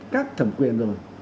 các thẩm quyền rồi